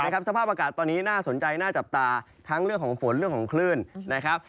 สภาพอากาศตอนนี้น่าสนใจน่าจับตาทั้งเรื่องของฝนเรื่องของคลื่นนะครับ